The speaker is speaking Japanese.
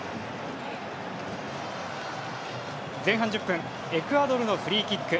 前半１０分エクアドルのフリーキック。